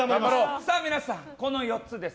皆さん、この４つです。